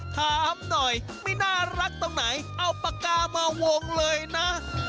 ถามหน่อยไม่น่ารักตรงไหนเอาปากกามาวงเลยนะ